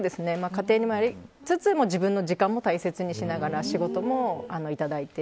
家庭もやりつつ自分の時間も大切にしながら仕事もいただいて。